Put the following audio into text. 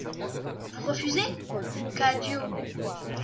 Vous refusez ? CADIO.